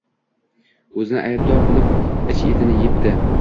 O`zini aybdor bilib, ich-etini ebdi